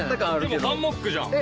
でもハンモックじゃん。